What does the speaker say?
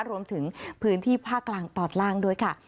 รวมถึงพื้นที่ภาคกลางตอนล่างด้วยค่ะ